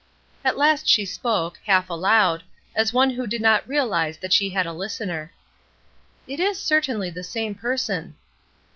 At last she spoke, half aloud, as one who did not reaUze that she had a listener. '*It is certainly the same person."